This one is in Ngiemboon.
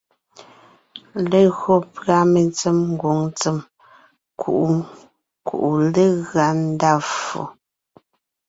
Legÿo pʉ̀a mentsém ngwòŋ ntsèm kuʼu kuʼu legʉa ndá ffo.